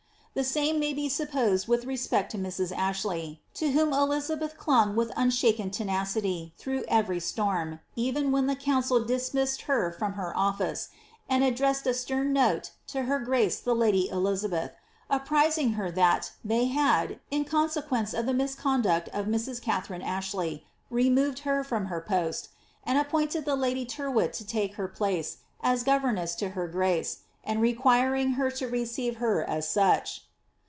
The same may be supposed with respect to Mrs. Ashley, to whom Elizabeth clung with unshaken tenacity through every storm, even when the council dismissed her from her office, and addressed a stern note to her grace the lady Elizabeth, apprising her that they had, in consequence of the misconduct of Mrs. Katharine Ashley, removed her from her post, and appointed the lady Tyrwhit to take her pUce as governess to her gracey and requiring her to receive her as such.